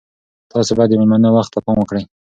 تاسي باید د میلمنو وخت ته پام وکړئ.